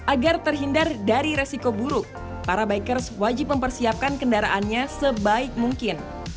agar terhindar dari resiko buruk para bikers wajib mempersiapkan kendaraannya sebaik mungkin